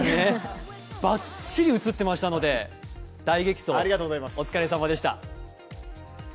バッチリ映ってましたので大激走お疲れさまでした。